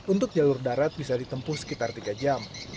untuk jalur darat bisa ditempuh sekitar tiga jam